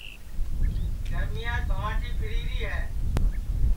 گرمیاس بھوانٚٹی پھیری ری ہے